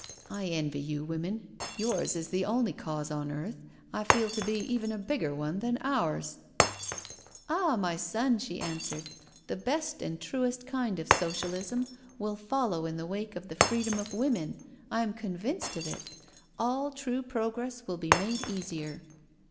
'* I envy you women — yours is the only cause on earth I feel to be even a bigger one than ours I*' " Ah, my son," she answered, " the best and truest kind of Socialism will follow in the wake of the free dom of women— I am convinced of it. All true pro 'gress will be made easier."